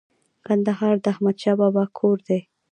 کندهار د احمد شاه بابا کور دی